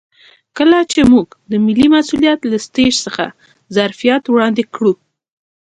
کله چې موږ د ملي مسوولیت له سټیج څخه ظرفیت وړاندې کړو.